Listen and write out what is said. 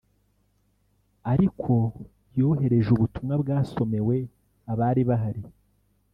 ariko yohereje ubutumwa bwasomewe abari bahari